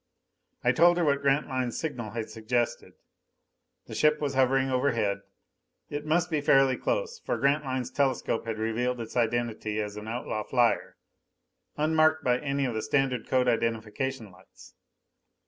I told her what Grantline's signal had suggested; the ship was hovering overhead. It must be fairly close; for Grantline's telescope had revealed its identity as an outlaw flyer, unmarked by any of the standard code identification lights.